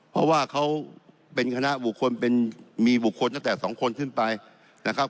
เพราะว่าเขาเป็นคณะบุคคลเป็นมีบุคคลตั้งแต่๒คนขึ้นไปนะครับ